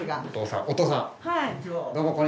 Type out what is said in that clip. お父さん！